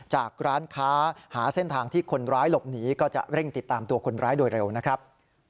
ร้านค้าหาเส้นทางที่คนร้ายหลบหนีก็จะเร่งติดตามตัวคนร้ายโดยเร็วนะครับ